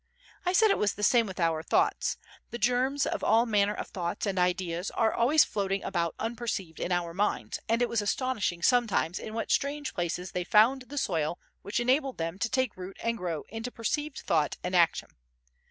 I said it was the same with our thoughts; the germs of all manner of thoughts and ideas are always floating about unperceived in our minds and it was astonishing sometimes in what strange places they found the soil which enabled them to take root and grow into perceived thought and action.